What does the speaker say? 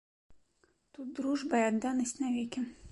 Тут дружба і адданасць навекі.